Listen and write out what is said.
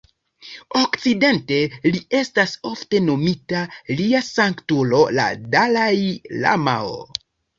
Okcidente, li estas ofte nomita "Lia Sanktulo la Dalai-lamao".